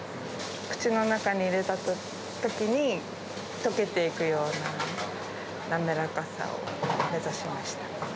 口の中に入れたときに、溶けていくような滑らかさを目指しました。